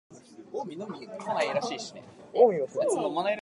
Inhabitants are known as "Villarois".